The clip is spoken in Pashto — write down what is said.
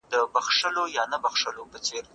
ایا د پښو په تلو کي د تیلو مالش کول ارامي بخښي؟